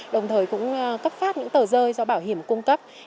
đồng thời cũng cấp phát những tờ rơi do bảo hiểm cung cấp